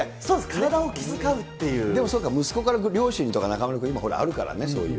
体を気遣うっていでも、そうか、息子から両親とか、中丸君、今、あるからね、そういう。